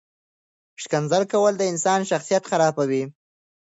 ښکنځل کول د انسان شخصیت خرابوي.